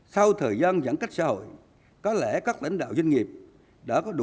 sau thời gian giãn cách xã hội có lẽ các đánh đạo doanh nghiệp đã có đủ